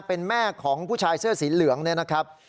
เป็นแม่ของผู้ชายเสื้อสีเหลืองเนี่ยนะครับ